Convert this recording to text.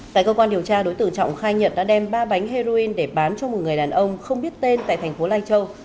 tại cơ quan điều tra đối tượng trọng khai nhận đã đem ba bánh heroin để bán cho một người đàn ông không biết tên tại thành phố lai châu